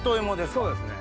そうですね。